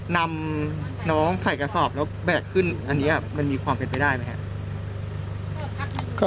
นำน้องใส่กระสอบแล้วแบกขึ้นอันนี้มันมีความเป็นไปได้ไหมครับ